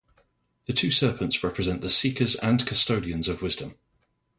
The two serpents represent the seekers and custodians of wisdom.